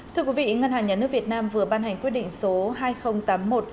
thưa quý vị ngân hàng nhà nước việt nam vừa ban hành quyết định số hai nghìn tám mươi một